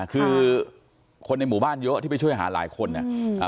คือคนในหมู่บ้านเยอะที่ไปช่วยหาหลายคนเนี่ย